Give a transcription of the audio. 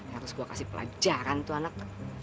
harus gue kasih pelajaran tuh anak